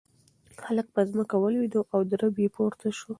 هلک په ځمکه ولوېد او درب یې پورته شو.